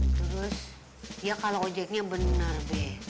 terus ya kalau ojeknya bener be